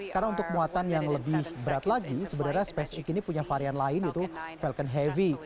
karena untuk muatan yang lebih berat lagi sebenarnya spacex ini punya varian lain yaitu falcon heavy